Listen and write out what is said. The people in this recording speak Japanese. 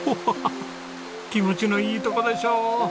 気持ちのいいとこでしょう？